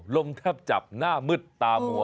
แทบจับหน้ามืดตามัว